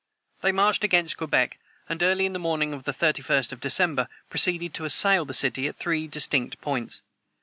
They marched against Quebec, and, early in the morning of the 31st of December, proceeded to assail the city at three distinct points.